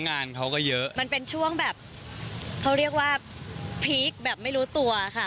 งานเขาก็เยอะมันเป็นช่วงแบบเขาเรียกว่าพีคแบบไม่รู้ตัวค่ะ